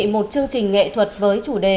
một chương trình nghệ thuật với chủ đề